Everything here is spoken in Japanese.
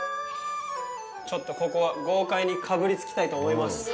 ちょっとここは豪快にかぶりつきたいと思います。